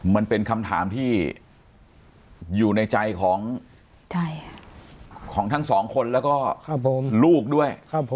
มันเป็นคำถามที่อยู่ในใจของทั้งสองคนแล้วก็ลูกด้วย